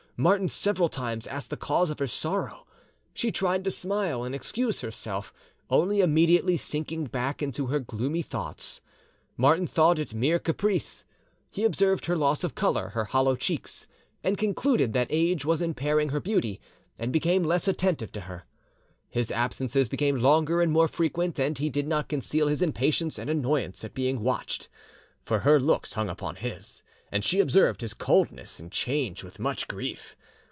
Martin several times asked the cause of her sorrow; she tried to smile and excuse herself, only immediately sinking back into her gloomy thoughts. Martin thought it mere caprice; he observed her loss of colour, her hollow cheeks, and concluded that age was impairing her beauty, and became less attentive to her. His absences became longer and more frequent, and he did not conceal his impatience and annoyance at being watched; for her looks hung upon his, and she observed his coldness and change with much grief.